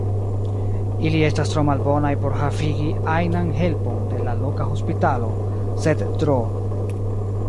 Ili estas tro malbonaj por havigi ajnan helpon de la loka hospitalo, sed Dro.